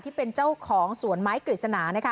ที่เป็นเจ้าของสวนไม้กริสนะ